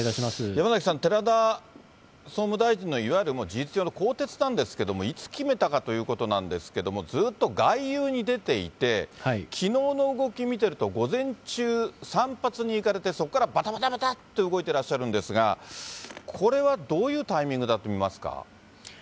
山崎さん、寺田総務大臣のいわゆる事実上の更迭なんですけれども、いつ決めたかということなんですけれども、ずっと外遊に出ていて、きのうの動き見てると、午前中、散髪に行かれて、そこからばたばたばたと動いていらっしゃるんですが、これはどういうタイミングだと見ますか。